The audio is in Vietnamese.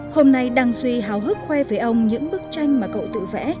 hôm nay đăng duy hào hức khoe với ông những bức tranh mà cậu tự vẽ